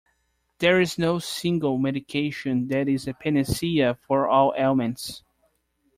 There is no single Medication that is a Panacea for all ailments.